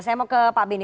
saya mau ke pak benny